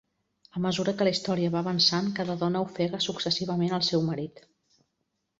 A mesura que la història va avançant, cada dona ofega successivament el seu marit.